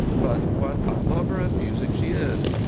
But what a lover of music she is!